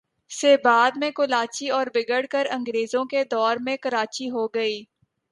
سے بعد میں کولاچی اور بگڑ کر انگریزوں کے دور میں کراچی ھو گئی